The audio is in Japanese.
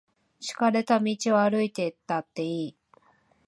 敷かれた道を歩いたっていい。